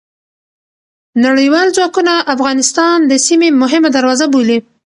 نړیوال ځواکونه افغانستان د سیمې مهمه دروازه بولي.